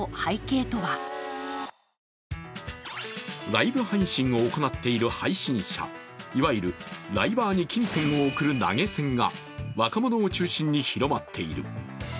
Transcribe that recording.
ライブ配信を行っている配信者、いわゆるライバーに金銭を送る投げ銭が若者を中心に広まっている。